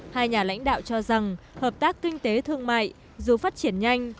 hai nhà lãnh đạo cho rằng hợp tác kinh tế thương mại dù phát triển nhanh